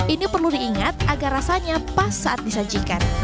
ini perlu diingat agar rasanya pas saat disajikan